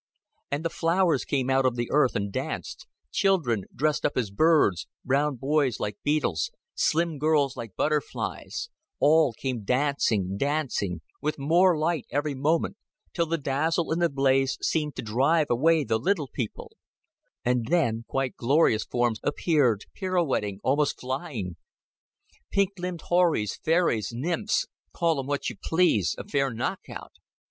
And the flowers came out of the earth and danced; children dressed up as birds, brown boys like beetles, slim girls like butterflies, all came dancing, dancing; with more light every moment, till the dazzle and the blaze seemed to drive away the little people; and then quite glorious forms appeared, pirouetting, almost flying pink limbed houris, fairies, nymphs "call 'em what you please a fair knock out."